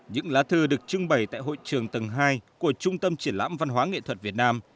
những lá thư được trưng bày tại hội trường tầng hai của trung tâm triển lãm văn hóa nghệ thuật việt nam